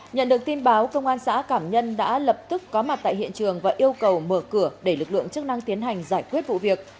nhận được tin báo công an xã cảm nhân đã lập tức có mặt tại hiện trường và yêu cầu mở cửa để lực lượng chức năng tiến hành giải quyết vụ việc